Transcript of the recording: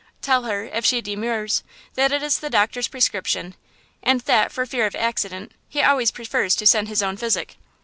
Tell her, if she demurs, that it is the doctor's prescription, and that, for fear of accident, he always prefers to send his own physic."